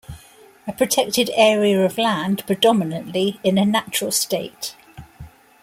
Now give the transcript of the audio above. A protected area of land predominantly in a natural state.